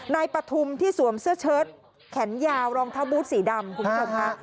ปฐุมที่สวมเสื้อเชิดแขนยาวรองเท้าบูธสีดำคุณผู้ชมค่ะ